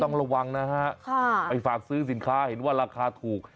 ต้องระวังนะฮะไปฝากซื้อสินค้าเห็นว่าราคาถูก